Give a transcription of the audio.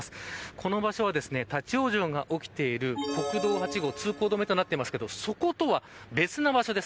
この場所は、立ち往生が起きている国道８号通行止めとはなっていますけどそことは別の場所です。